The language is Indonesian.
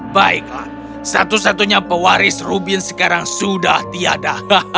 baiklah satu satunya pewaris rubin sekarang sudah tiada